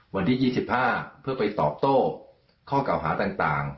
วันที่๒๕เพื่อไปตอบโต้ข้อเก่าหาต่าง